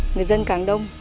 người dân càng đông